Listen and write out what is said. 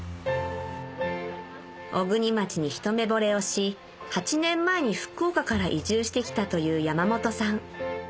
小国町に一目ぼれをし８年前に福岡から移住してきたという山本さん